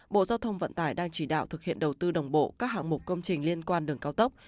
bộ giao thông vận tải đang chỉ đạo thực hiện đầu tư đồng bộ các hạng mục công trình liên quan đường cao tốc